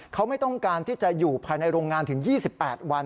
เขาไม่ต้องการที่จะอยู่ภายในโรงงานถึง๒๘วัน